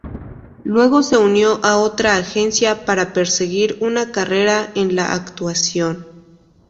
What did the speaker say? Luego se unió a otra agencia para perseguir una carrera en la actuación.